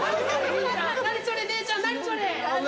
何それ姉ちゃん何それ。